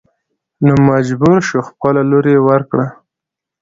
نو مجبور شو خپله لور يې ور کړه.